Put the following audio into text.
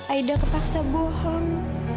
aida kepaksa bohong